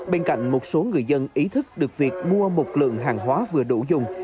bên cạnh một số người dân ý thức được việc mua một lượng hàng hóa vừa đủ dùng